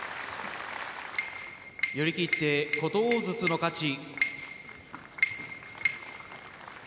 寄り切って琴砲の勝ち。